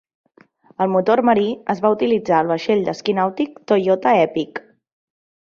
El motor marí es va utilitzar al vaixell d'esquí nàutic Toyota Epic.